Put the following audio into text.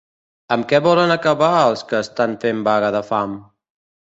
Amb què volen acabar els que estan fent vaga de fam?